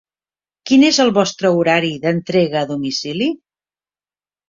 Quin és el vostre horari d'entrega a domicili?